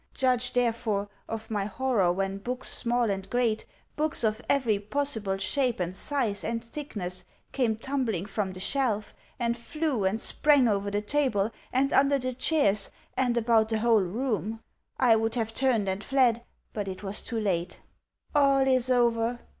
Judge, therefore, of my horror when books small and great, books of every possible shape and size and thickness, came tumbling from the shelf, and flew and sprang over the table, and under the chairs, and about the whole room. I would have turned and fled, but it was too late. "All is over!"